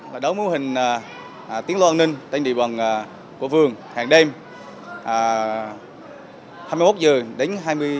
đó là mô hình tiến loa an ninh trên địa bàn của vườn hàng đêm hai mươi một h đến hai mươi hai h ba mươi